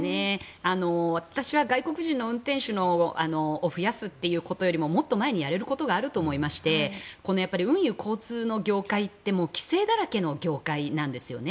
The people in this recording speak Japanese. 私は外国人の運転手を増やすということよりももっと前にやれることがあると思いまして運輸交通の業界って規制だらけの業界なんですね。